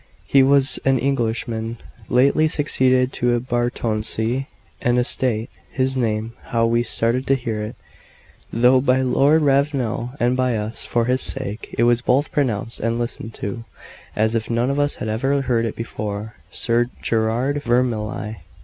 He was an Englishman, lately succeeded to a baronetcy and estate; his name how we started to hear it, though by Lord Ravenel and by us, for his sake, it was both pronounced and listened to, as if none of us had ever heard it before Sir Gerard Vermilye.